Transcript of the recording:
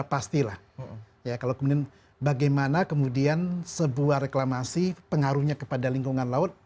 pastilah ya kalau kemudian bagaimana kemudian sebuah reklamasi pengaruhnya kepada lingkungan laut